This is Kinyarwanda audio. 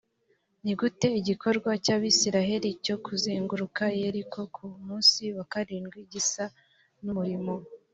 ni gute igikorwa cy abisirayeli cyo kuzenguruka yeriko ku munsi wa karindwi gisa n umurimo